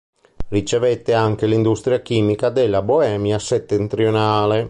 Ricevette anche l'industria chimica della Boemia settentrionale.